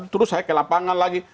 terus saya ke lapangan lagi